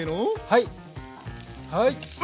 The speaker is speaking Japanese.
はい！